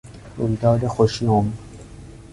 رویداد خوشیمن